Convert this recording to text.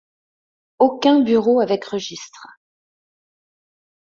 Aucun bureau avec registres.